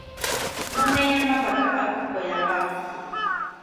Mo neye mabaka a kopo ya gago.